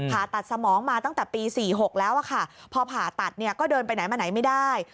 ผ่าตัดสมองมาตั้งแต่ปี๔๖แล้วค่ะพอผ่าตัดเนี่ยก็เดินไปไหนมาไหนไม่ได้